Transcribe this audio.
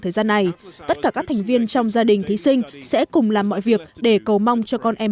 thời gian này tất cả các thành viên trong gia đình thí sinh sẽ cùng làm mọi việc để cầu mong cho con em